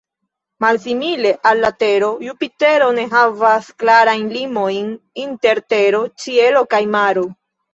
Malsimile al la Tero, Jupitero ne havas klarajn limojn inter tero, ĉielo kaj maro.